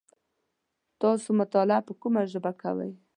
تاسو مطالعه په کومه ژبه کوی ؟